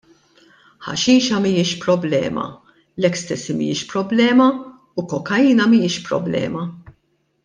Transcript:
Ħaxixa mhijiex problema, l-ecstasy mhijiex problema u kokaina mhijiex problema.